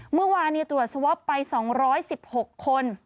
เมื่อวานตรวจสวอปไป๒๑๖คน